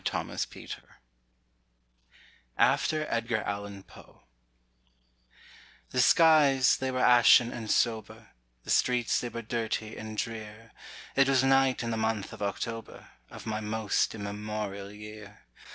THE WILLOWS (AFTER EDGAR ALLAN POE) The skies they were ashen and sober, The streets they were dirty and drear; It was night in the month of October, Of my most immemorial year.